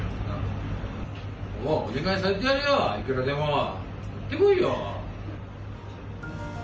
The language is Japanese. お願いされてやるよ、いくらでも。言ってこいよ。